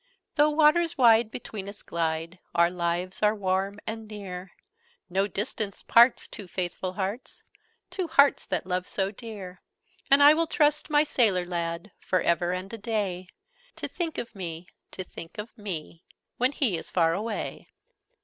'Though waters wide between us glide, Our lives are warm and near: No distance parts two faithful hearts Two hearts that love so dear: And I will trust my sailor lad, For ever and a day, To think of me to think of me When he is far away!'"